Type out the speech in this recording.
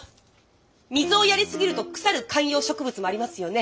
水をやりすぎると腐る観葉植物もありますよね？